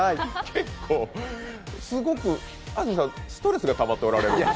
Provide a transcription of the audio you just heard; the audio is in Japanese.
結構、すごく安住さんストレスたまってらっしゃる？